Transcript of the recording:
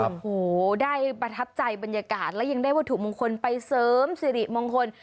โอ้โหได้ประทับใจบรรยากาศและยังได้วัตถุมงคลไปเสริมสิริมงคล